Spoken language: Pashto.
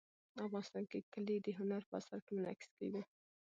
افغانستان کې کلي د هنر په اثار کې منعکس کېږي.